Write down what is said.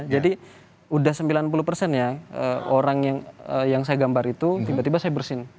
jadi udah sembilan puluh ya orang yang saya gambar itu tiba tiba saya bersin